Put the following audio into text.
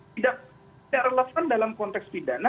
tidak relevan dalam konteks pidana